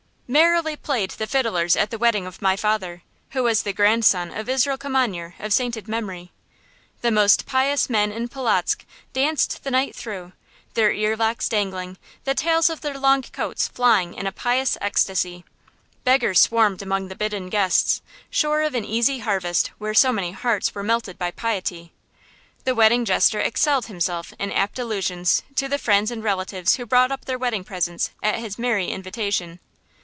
Merrily played the fiddlers at the wedding of my father, who was the grandson of Israel Kimanyer of sainted memory. The most pious men in Polotzk danced the night through, their earlocks dangling, the tails of their long coats flying in a pious ecstasy. Beggars swarmed among the bidden guests, sure of an easy harvest where so many hearts were melted by piety. The wedding jester excelled himself in apt allusions to the friends and relatives who brought up their wedding presents at his merry invitation.